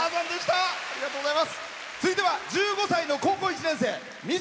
続いては１５歳の高校１年生。